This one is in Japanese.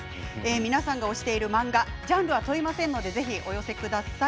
皆さんが推している漫画ジャンルは問いませんのでぜひお寄せください。